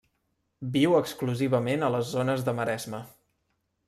Viu exclusivament a les zones de maresma.